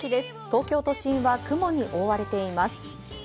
東京都心は雲に覆われています。